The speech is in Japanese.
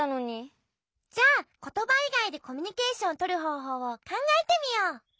じゃあことばいがいでコミュニケーションをとるほうほうをかんがえてみよう！